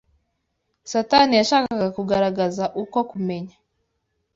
Satani yashakaga kugaragaza uko kumenya